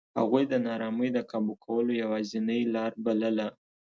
هغوی د نارامۍ د کابو کولو یوازینۍ لار بلله.